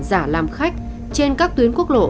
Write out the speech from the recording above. giả làm khách trên các tuyến quốc lộ